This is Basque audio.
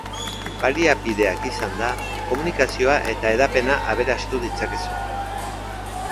Baliabideak izanda, komunikazioa eta hedapen aberastu ditzakezu.